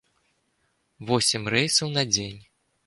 Восем рэйсаў на дзень.